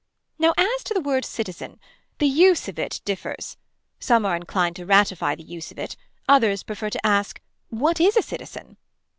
Now as to the word citizen. The use of it differs. Some are inclined to ratify the use of it others prefer to ask what is a citizen.